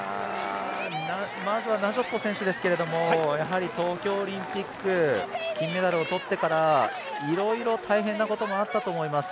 まずはナジョット選手ですけど東京オリンピック金メダルをとってからいろいろ大変なこともあったと思います。